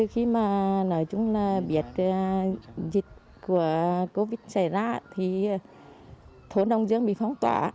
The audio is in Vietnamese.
khi mà nói chung là biệt dịch của covid xảy ra thì thốn đồng dương bị phong tỏa